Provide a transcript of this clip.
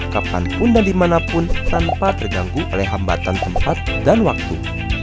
kapanpun dan dimanapun tanpa terganggu oleh hambatan tempat dan waktu